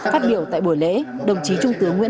phát biểu tại buổi lễ